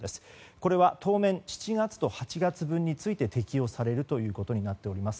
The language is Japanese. これは当面７月と８月分について適用されるということになっています。